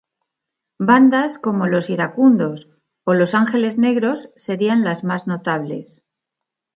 Bandas como Los Iracundos o Los Ángeles Negros serían las más notables.